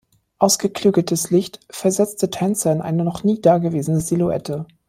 Ausgeklügeltes Licht versetzte Tänzer in eine noch nie dagewesene Silhouette.